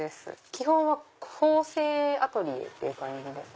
基本は縫製アトリエっていう感じです。